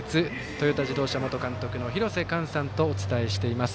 トヨタ自動車元監督の廣瀬寛さんとお伝えしています。